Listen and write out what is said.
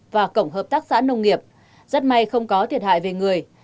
và cổng hợp tác xã nông nghiệp rất may không có thiệt hại về người